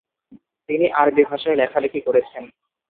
তিনি আরবি ভাষায় লেখালেখি করেছেন।